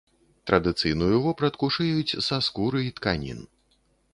Традыцыйную вопратку шыюць са скуры і тканін.